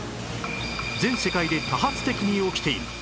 全世界で多発的に起きている